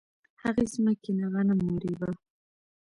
هغې ځمکې نه غنم ورېبه